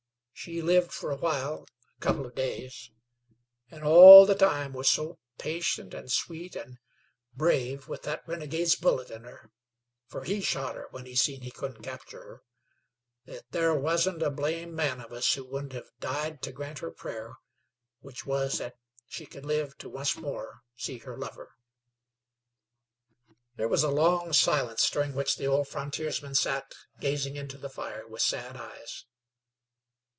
She lived fer awhile, a couple of days, an' all the time wus so patient, an' sweet, an' brave with thet renegade's bullet in her fer he shot her when he seen he couldn't capture her thet thar wusn't a blame man of us who wouldn't hev died to grant her prayer, which wus that she could live to onct more see her lover." There was a long silence, during which the old frontiersman sat gazing into the fire with sad eyes.